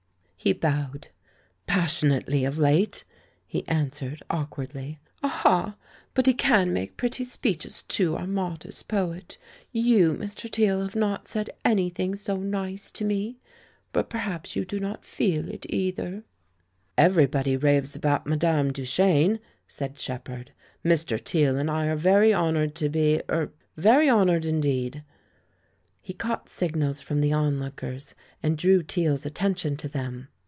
He bowed. "Passionately of late!" he an swered awkwardly. "Aha! but he can make pretty speeches, too, our modest poet. You, Mr. Teale, have not said anything so nice to me. But perhaps you do not feel it, either?" 112 THE MAN WHO UNDERSTOOD WOMEN "Everybody raves about madame Duchene," said Shepherd; "Mr. Teale and I are very hon oured to be — er — very honoured indeed." He caught signals from the onlookers, and drew Teale's attention to them.